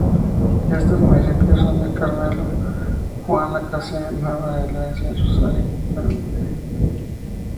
Estos municipios son: Carmelo, Juan Lacaze, Nueva Helvecia, Rosario, Nueva Palmira y Tarariras.